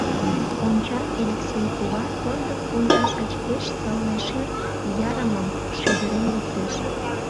Онча, Элексей кува сондык пундаш гыч пеш сылне шер ярымым шӱдырен луктеш.